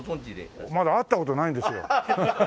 まだ会った事ないんですよ。